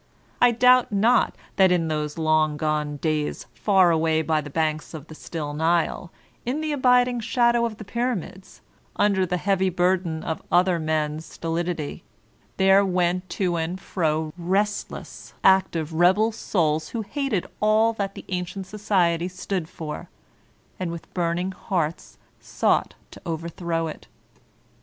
I doubt not that in those long gone days, far away by the banks of the still Nile, in the abiding shadow of the pyramids, under the heavy burden of other men's stolidity, there went to and fro restless, active, rebel souls who hated all that the ancient society stood for, and with burn ing hearts sought to overthrow it.